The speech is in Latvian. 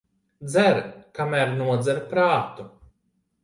Dzer, kamēr nodzer prātu.